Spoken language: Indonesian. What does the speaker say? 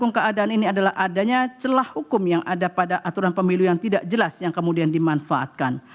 dalam keadaan ini adalah adanya celah hukum yang ada pada aturan pemilu yang tidak jelas yang kemudian dimanfaatkan